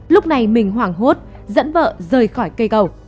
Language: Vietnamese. lúc này mình hoảng hốt dẫn vợ rời khỏi cây cầu